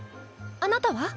あなたは？